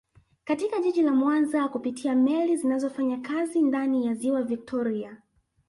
Katika jiji la Mwanza kupitia meli zinazofanya kazi ndani ya ziwa viktoria